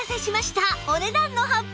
お値段の発表！